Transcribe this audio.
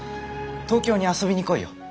東京に遊びに来いよ。